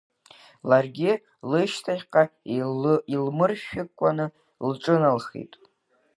Ларгьы лышьҭахьҟа илмыршәыкәаны лҿыналхеит.